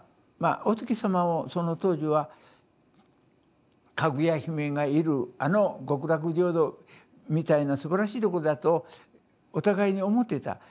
まあお月様をその当時はかぐや姫がいるあの極楽浄土みたいなすばらしいところだとお互いに思っていた。